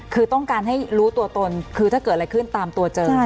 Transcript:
คือต้องการให้รู้ตัวตนคือถ้าเกิดอะไรขึ้นตามตัวเจอ